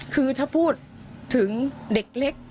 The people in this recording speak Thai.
คือถ้าพูดถึงเด็กเล็ก